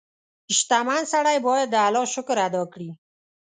• شتمن سړی باید د الله شکر ادا کړي.